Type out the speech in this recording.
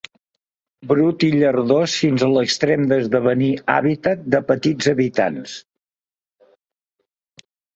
Brut i llardós fins a l'extrem d'esdevenir hàbitat de petits habitants.